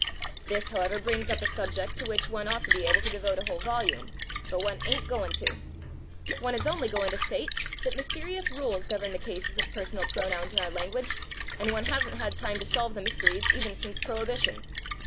This, however, brings up a subject to which one ought to be able to devote a whole volume, but one ain't goin' to. One is only goin' to state that mysterious rules govern the cases of personal pronouns in our language and one hasn't had time to solve the mysteries even since prohibition.